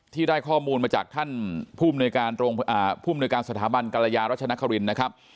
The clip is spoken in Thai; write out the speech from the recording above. ที่ได้ข้อมูลมาจากท่านผู้อำนวยการสถาบันกรยาราชนครินฯ